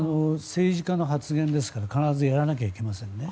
政治家の発言ですから必ずやらなきゃいけませんね。